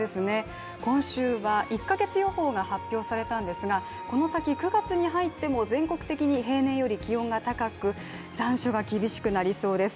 今週は１か月予報が発表されたんですがこの先９月に入っても全国的に平年より気温が高く残暑が厳しくなりそうです。